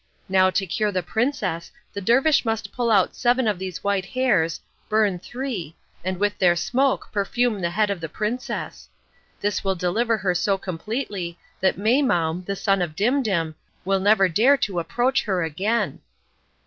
Now to cure the princess the dervish must pull out seven of these white hairs, burn three, and with their smoke perfume the head of the princess. This will deliver her so completely that Maimoum, the son of Dimdim, will never dare to approach her again."